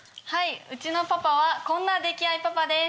うちのパパはこんな溺愛パパです。